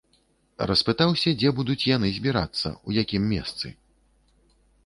Распытаўся, дзе будуць яны збірацца, у якім месцы.